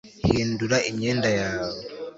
hindura imyenda yawe